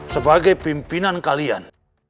sebagai pimpinan kalian